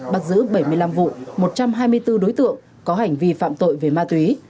bắt giữ bảy mươi năm vụ một trăm hai mươi bốn đối tượng có hành vi phạm tội về ma túy